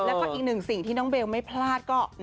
แล้วก็อีกหนึ่งสิ่งที่น้องเบลไม่พลาดก็